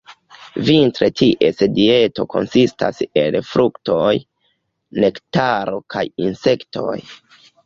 Vintre ties dieto konsistas el fruktoj, nektaro kaj insektoj.